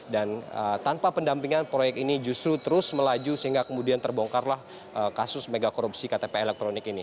dan tanpa pendampingan proyek ini justru terus melaju sehingga kemudian terbongkarlah kasus megakorupsi ktp elektronik ini